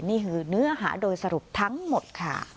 นี่คือเนื้อหาโดยสรุปทั้งหมดค่ะ